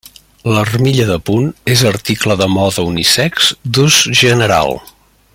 L'armilla de punt és article de moda unisex d'ús general.